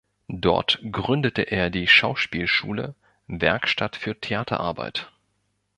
Dort gründete er die Schauspielschule "Werkstatt für Theaterarbeit".